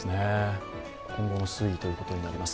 今後の推移ということになります。